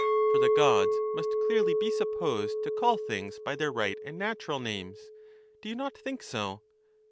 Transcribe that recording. For the Gods must clearly be sup posed to call things by their right and natural names ; do you not think so